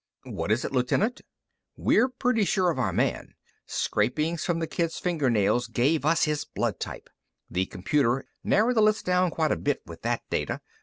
"What is it, Lieutenant?" "We're pretty sure of our man. Scrapings from the kid's fingernails gave us his blood type. The computer narrowed the list down quite a bit with that data.